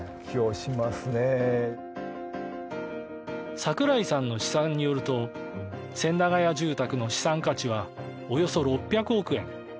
櫻井さんの試算によると千駄ヶ谷住宅の資産価値はおよそ６００億円。